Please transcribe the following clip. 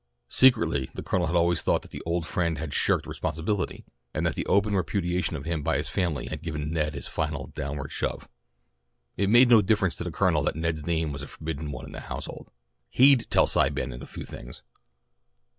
Secretly the Colonel had always thought that his old friend had shirked responsibility, and that the open repudiation of him by his family had given Ned his final downward shove. It made no difference to the Colonel that Ned's name was a forbidden one in the household. He'd tell Cy Bannon a few things.